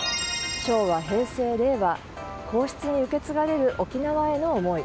昭和・平成・令和皇室に受け継がれる沖縄への思い。